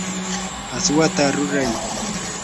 aswata ruray.